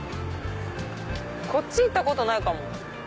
こっち行ったことないかも。